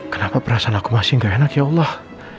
kenapa perasaan aku masih gak enak ya allah